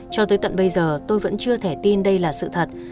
cho tới tận bây giờ tôi vẫn chưa thể tin đây là sự thật